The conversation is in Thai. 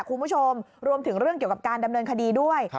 คุณผู้ชมรวมถึงเรื่องเกี่ยวกับการดำเนินคดีด้วย